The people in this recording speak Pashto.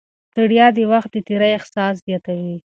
ستړیا د وخت د تېري احساس زیاتوي.